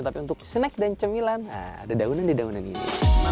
tapi untuk snack dan cemilan ada daunan di daunan ini